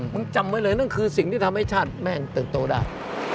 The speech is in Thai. จำไว้เลยนั่นคือสิ่งที่ทำให้ชาติแม่งเติบโตได้